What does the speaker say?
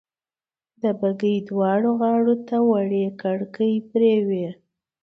د بګۍ دواړو غاړو ته وړې کړکۍ پرې وې.